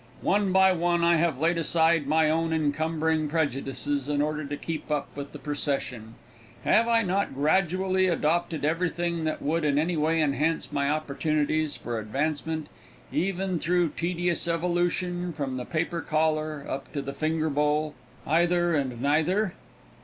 One by one I have laid aside my own encumbering prejudices in order to keep up with the procession. Have I not gradually adopted everything that would in any way enhance my opportunities for advancement, even through tedious evolution, from the paper collar up to the finger bowl, eyether, and nyether?